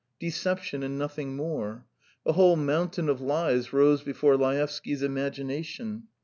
Deception and nothing more. A whole mountain of lies rose before Laevsky's imagination.